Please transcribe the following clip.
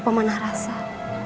semakin aku berfikir